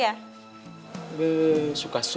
ya suka suka saya